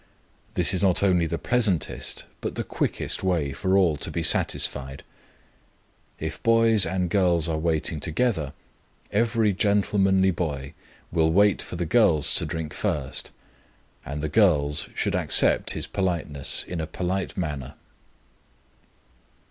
This is not only the pleasantest but the quickest way for all to be satisfied. If boys and girls are waiting together, every gentlemanly boy will wait for the girls to drink first, and the girls should accept his politeness in a polite manner.